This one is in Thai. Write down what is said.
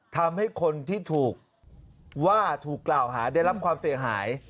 ทำให้คนที่ถูกว่าถูกกล่าวหาได้รับความเสียหาย